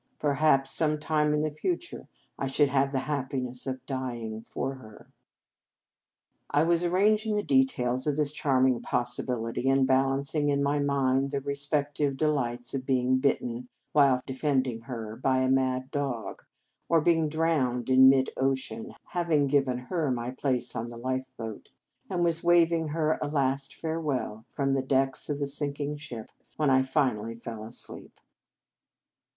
Perhaps, some time in the future, I should have the happiness of dying for her. I was ar 256 The Game of Love ranging the details of this charming possibility, and balancing in my mind the respective delights of being bitten while defending her by a mad dog, or being drowned in mid ocean, having given her my place in the life boat, and was waving her a last fare^ well from the decks of the sinking ship, when I finally fell asleep.